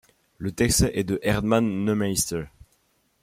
Le texte est de Erdmann Neumeister.